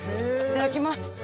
いただきます。